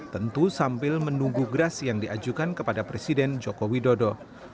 tentu sambil menunggu gerasi yang diajukan kepada presiden joko widodo